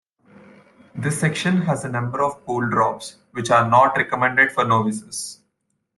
This section has a number of pool drops, which are not recommended for novices.